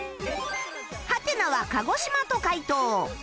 はてなは鹿児島と解答